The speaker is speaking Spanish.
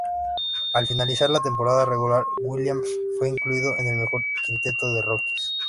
Al finalizar la temporada regular, Williams fue incluido en el mejor quinteto de rookies.